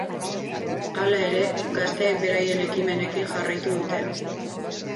Hala ere, gazteek beraien ekimenekin jarraitu dute.